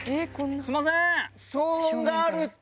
すんません！